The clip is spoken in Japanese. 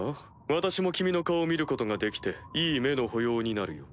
私も君の顔を見ることができていい目の保養になるよ。